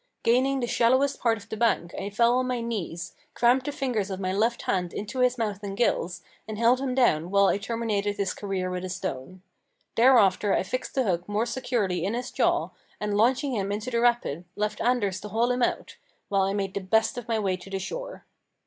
Gaining the shallowest part of the bank I fell on my knees, crammed the fingers of my left hand into his mouth and gills, and held him down while I terminated his career with a stone. Thereafter I fixed the hook more securely in his jaw, and, launching him into the rapid, left Anders to haul him out, while I made the best of my way to the shore.